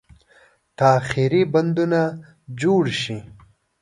تاخیري بندونه جوړ شي.